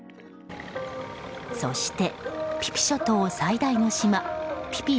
そして、ピピ諸島最大の島ピピ